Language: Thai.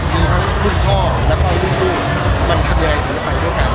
ในห้างผู้พ่อและลูกมันทำยังไงของเราของจะไปแล้วกัน